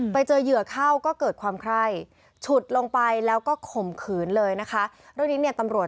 ไปเจอเหยื่อเข้าก็เกิดความไคร้